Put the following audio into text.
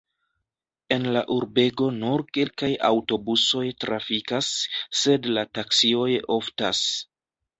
En la urbego nur kelkaj aŭtobusoj trafikas, sed la taksioj oftas.